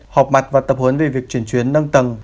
họp mặt và tập huấn về việc chuyển chuyến nâng tầng